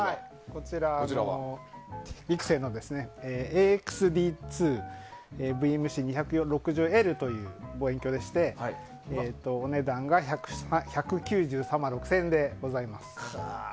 こちら、ビクセンのＡＸＤ２‐ＶＭＣ２６０Ｌという種類でしてお値段が、１９３万６０００円でございます。